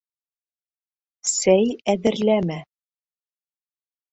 Сәй әҙерләмә.